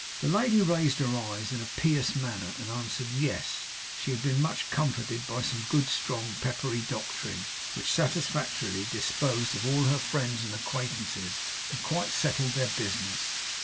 The lady raised her eyes in a pious manner, and answered 'Yes.' She had been much comforted by some good, strong, peppery doctrine, which satisfactorily disposed of all her friends and acquaintances, and quite settled their business.